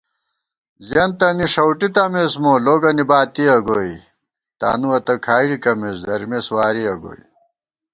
زیَنتَنی ݭؤٹی تمېس مو، لوگَنی باتِیَہ گوئی * تانُوَہ تہ کھائی ڈِکَمېس درِمېس وارِیَہ گوئی